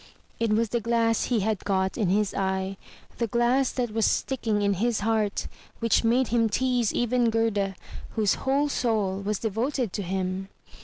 It was the glass he had got in his eye, the glass that was sticking in his heart, which made him tease even Gerda, whose whole soul was devoted to him.